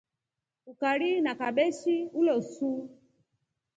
Ukari na kabeshi ulosu.